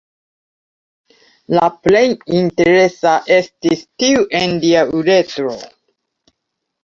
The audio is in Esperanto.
La plej interesa estis tiu en lia uretro.